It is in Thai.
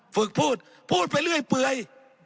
ฝึกพูดพูดไปเรื่อยเปื่อย